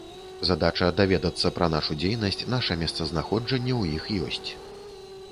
Задача даведацца пра нашу дзейнасць, наша месцазнаходжанне ў іх ёсць.